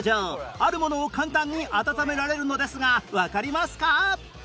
あるものを簡単に温められるのですがわかりますか？